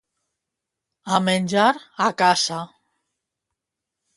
A menjar, a casa.